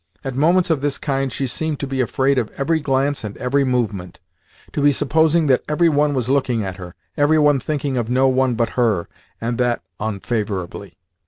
At moments of this kind she seemed to be afraid of every glance and every movement to be supposing that every one was looking at her, every one thinking of no one but her, and that unfavourably.